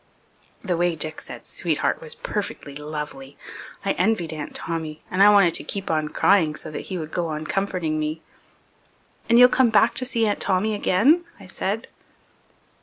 The way Dick said "sweetheart" was perfectly lovely. I envied Aunt Tommy, and I wanted to keep on crying so that he would go on comforting me. "And you'll come back to see Aunt Tommy again?" I said.